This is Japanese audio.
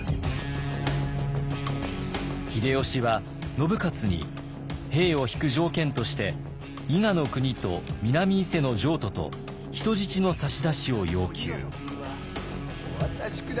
秀吉は信雄に兵を引く条件として伊賀国と南伊勢の譲渡と人質の差し出しを要求。